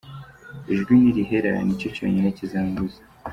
ijwi ni rihera nicyo cyonyine kizambuza.